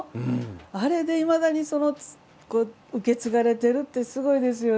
あれで、いまだに受け継がれてるってすごいですよね。